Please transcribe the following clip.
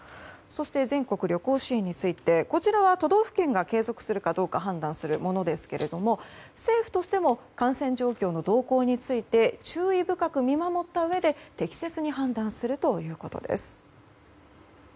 そして全国旅行支援についてこちらは都道府県が継続するかどうか判断するものですけども政府としても感染状況の動向について注意深く見守ったうえで適切に判断するということです。